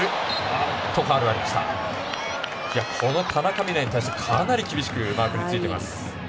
田中美南に対して、かなりマークについています。